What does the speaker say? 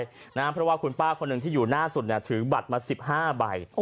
เพราะว่าคุณป้าคนหนึ่งที่อยู่หน้าสุดถือบัตรมา๑๕ใบ